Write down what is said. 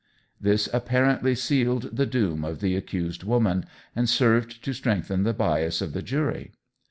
This apparently sealed the doom of the accused woman, and served to strengthen the bias of the jury.